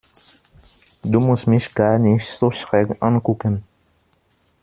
Du musst mich gar nicht so schräg angucken.